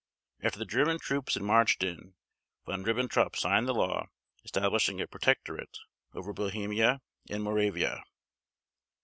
After the German troops had marched in, Von Ribbentrop signed the law establishing a protectorate over Bohemia and Moravia.